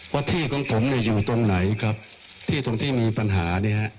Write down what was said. ว่าที่ของผมอยู่ตรงไหนครับที่ตรงที่มีปัญหา